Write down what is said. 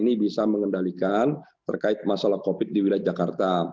kami bisa mengendalikan masalah covid sembilan belas di wilayah jakarta